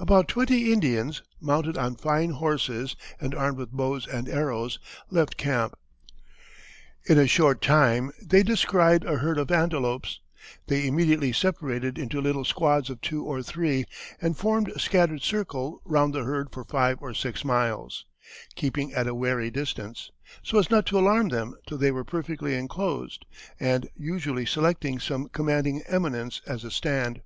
About twenty Indians, mounted on fine horses and armed with bows and arrows, left camp. In a short time they descried a herd of antelopes; they immediately separated into little squads of two or three, and formed a scattered circle round the herd for five or six miles, keeping at a wary distance, so as not to alarm them till they were perfectly enclosed, and usually selecting some commanding eminence as a stand.